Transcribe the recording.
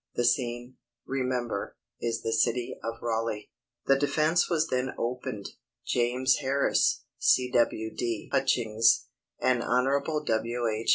The scene, remember, is the city of Raleigh. "The defence was then opened. James Harris, C. W. D. Hutchings, and Hon. W. H.